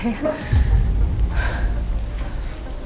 kenapa tiba tiba aku ngerasa gelisah ya